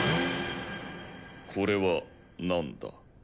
これは何だ？